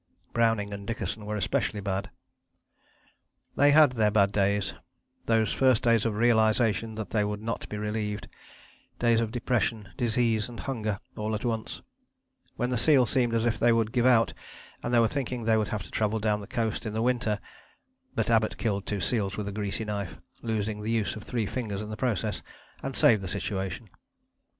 Browning and Dickason were especially bad. They had their bad days: those first days of realization that they would not be relieved: days of depression, disease and hunger, all at once: when the seal seemed as if they would give out and they were thinking they would have to travel down the coast in the winter but Abbott killed two seals with a greasy knife, losing the use of three fingers in the process, and saved the situation.